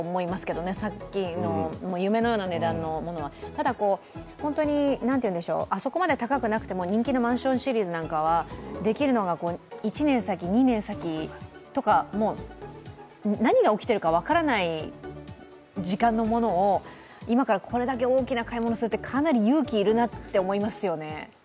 ただ、あそこまで高くなくても人気のマンションシリーズなんかはできるのが１年先、２年先とか、何が起きているか分からない時間のものを今からこれだけ大きな買い物するってかなり勇気要るなと思いますよね。